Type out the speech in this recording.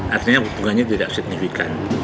artinya hubungannya tidak signifikan